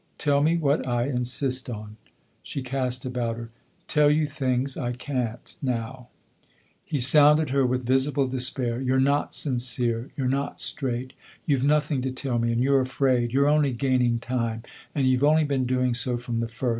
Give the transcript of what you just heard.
" Tell me what I insist on ?" She cast about her. " Tell you things I can't now," THE OTHER HOUSE 73 He sounded her with visible despair. " You're not sincere you're not straight. You've nothing to tell me, and you're afraid. You're only gaining time, and you've only been doing so from the first.